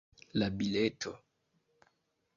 La bileto